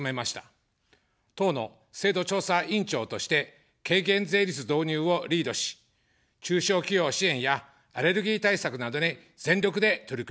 党の制度調査委員長として、軽減税率導入をリードし、中小企業支援やアレルギー対策などに全力で取り組みました。